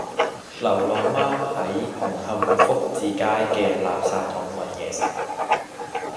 流浪貓喺紅磡福至街嘅垃圾桶搵野食